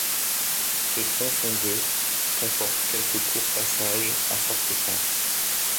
Ce tronçon de comporte quelques courts passages à forte pente.